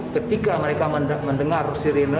ketika mereka mendengar sirine